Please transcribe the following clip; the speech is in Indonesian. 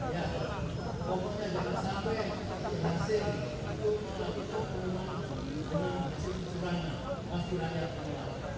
baik kita siapkan tempat ini